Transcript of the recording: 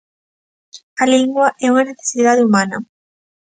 A lingua é unha necesidade humana.